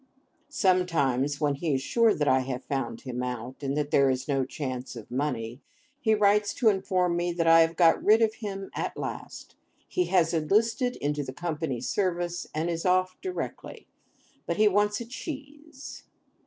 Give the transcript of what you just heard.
Sometimes, when he is sure that I have found him out, and that there is no chance of money, he writes to inform me that I have got rid of him at last. He has enlisted into the Company's service, and is off directly—but he wants a cheese.